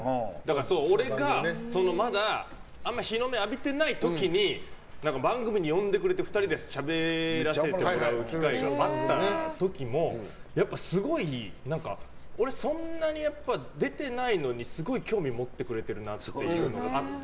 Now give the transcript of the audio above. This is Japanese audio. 俺がまだあんまり日の目浴びてない時に番組に呼んでくれて２人でしゃべらせてもらう機会があった時もすごい、俺そんなに出てないのにすごい興味持ってくれてるなっていうのがあって。